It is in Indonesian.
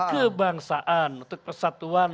kebangsaan untuk persatuan